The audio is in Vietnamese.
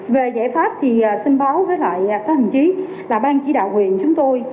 về giải pháp thì xin báo với các hình chí là ban chỉ đạo huyện chúng tôi